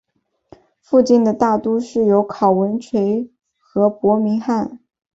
附近的大都市有考文垂和伯明翰。